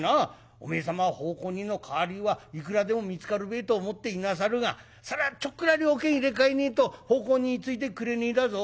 おめえ様は奉公人の代わりはいくらでも見つかるべえと思っていなさるがそりゃちょっくら了見入れ替えねえと奉公人ついてくれねえだぞ」。